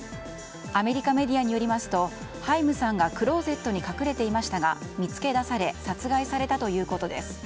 アメリカメディアによりますとハイムさんがクローゼットに隠れていましたが見つけ出され殺害されたということです。